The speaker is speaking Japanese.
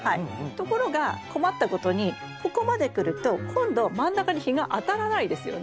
ところが困ったことにここまでくると今度真ん中に日が当たらないですよね。